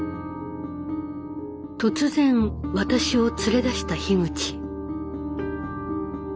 突然私を連れ出した樋口。